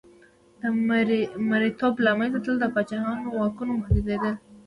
د مریتوب له منځه تلل د پاچاهانو واکونو محدودېدل.